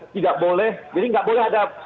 tidak boleh jadi nggak boleh ada